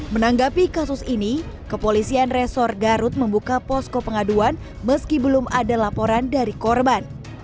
menanggapi kasus ini kepolisian resor garut membuka posko pengaduan meski belum ada laporan dari korban